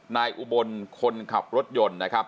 นายอุบลคนขับรถยนต์นะครับ